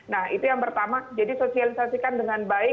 nah itu yang pertama jadi sosialisasikan dengan baik